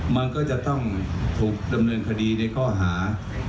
มันก็จะต้องถูกดำเนินคดีในข้อหา